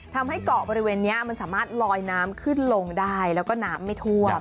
ทำให้เกาะบริเวณนี้มันสามารถลอยน้ำขึ้นลงได้แล้วก็น้ำไม่ท่วม